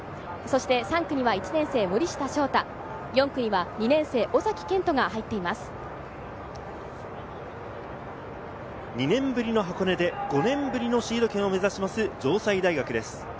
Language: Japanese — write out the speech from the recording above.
そして３区には１年生・森下翔太、４区には２年生・尾崎健斗が２年ぶりの箱根で５年ぶりのシード権を目指します城西大学です。